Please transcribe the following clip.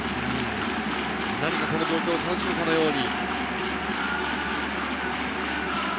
何かこの状況を楽しむかのように。